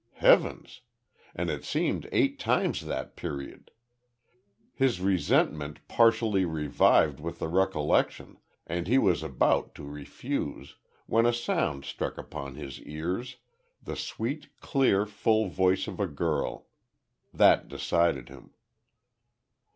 Heavens! and it seemed eight times that period. His resentment partially revived with the recollection, and he was about to refuse, when a sound struck upon his ears, the sweet, clear, full voice of a girl. That decided him.